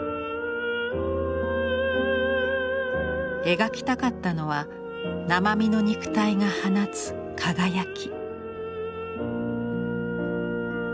描きたかったのは生身の肉体が放つ輝き。